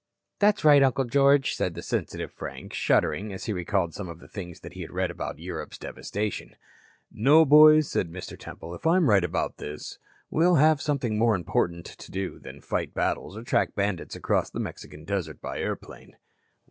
"That's right, Uncle George," said the sensitive Frank, shuddering as he recalled some of the things he had read of Europe's devastation. "No, boys," said Mr. Temple, "if I am right about this, we'll have something more important to do than to fight battles or track bandits across the Mexican desert by airplane."